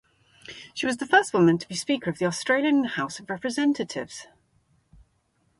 She was the first woman to be Speaker of the Australian House of Representatives.